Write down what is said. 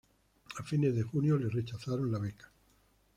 A fines de junio le rechazaron la beca.